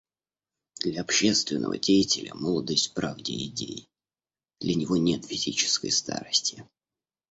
Для общественного деятеля молодость в правде идей, для него нет физической старости.